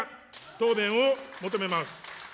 答弁を求めます。